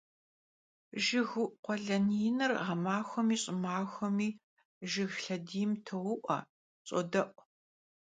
Jjıgıu'u khuelen yinır ğemaxuemi ş'ımaxuemi jjıg lhediym tou'ue, ş'ode'u.